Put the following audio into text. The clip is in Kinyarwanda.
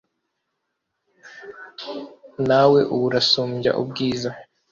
nawe ubasumbya ubwiza